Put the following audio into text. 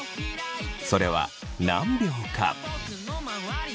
それは何秒か？